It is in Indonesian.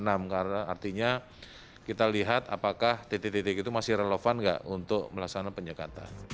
karena artinya kita lihat apakah titik titik itu masih relevan nggak untuk melaksanakan penyekatan